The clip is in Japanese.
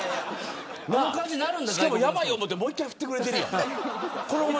しかもやばい思ってもう一回振ってくれてるやん。